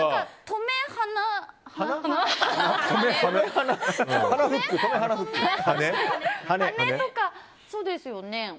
止め、はねとか、そうですよね。